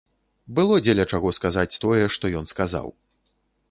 Было дзеля чаго сказаць тое, што ён сказаў.